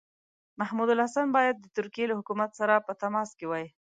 محمودالحسن باید د ترکیې له حکومت سره په تماس کې وای.